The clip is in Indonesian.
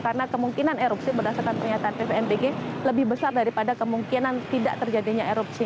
karena kemungkinan erupsi berdasarkan pernyataan ppmtg lebih besar daripada kemungkinan tidak terjadinya erupsi